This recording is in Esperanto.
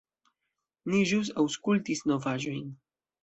Ni ĵus aŭskultis novaĵojn.